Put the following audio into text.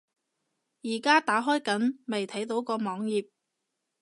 而家打開緊，未睇到個網頁￼